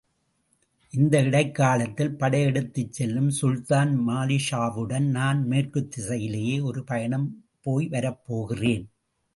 இந்த இடைக் காலத்தில், படையெடுத்துச் செல்லும் சுல்தான் மாலிக்ஷாவுடன், நான் மேற்குத் திசையிலே ஒரு பயணம் போய் வரப்போகிறேன்.